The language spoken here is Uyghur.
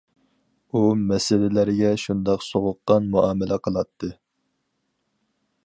ئۇ مەسىلىلەرگە شۇنداق سوغۇققان مۇئامىلە قىلاتتى.